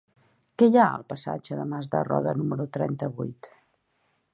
Què hi ha al passatge de Mas de Roda número trenta-vuit?